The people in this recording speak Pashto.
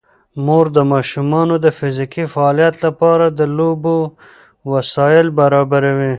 مور د ماشومانو د فزیکي فعالیت لپاره د لوبو وسایل برابروي.